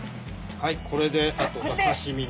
はいこれであとお刺身に。